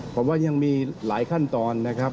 ผมว่ายังมีหลายขั้นตอนนะครับ